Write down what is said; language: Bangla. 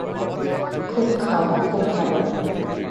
খুব খাও, খুব ভাল।